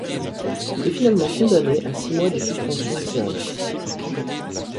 Il est finalement condamné à six mois de suspension de service.